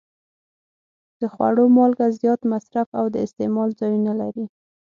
د خوړو مالګه زیات مصرف او د استعمال ځایونه لري.